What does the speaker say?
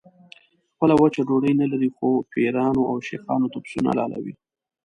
خپله وچه ډوډۍ نه لري خو پیرانو او شیخانو ته پسونه حلالوي.